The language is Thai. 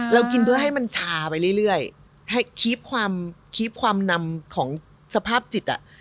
เรากินเพื่อให้มันชาไปเรื่อยให้คีบความคีฟความนำของสภาพจิตอ่ะ